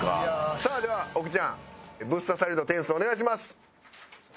さあでは奥ちゃんブッ刺さり度点数お願いします！